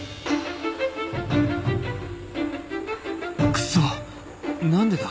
クソ何でだ？